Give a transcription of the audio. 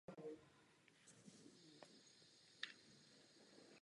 To je důvodem proč je někdy považován za prvního amerického prezidenta.